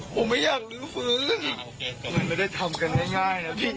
ผมไม่อยากลื้อฟื้นมันไม่ได้ทำกันง่ายนะพี่